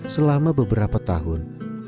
selama beberapa tahun